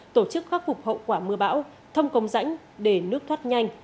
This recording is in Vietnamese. tổ chức khắc phục hậu quả mưa bão thông công rãnh để nước thoát nhanh